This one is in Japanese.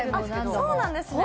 そうなんですね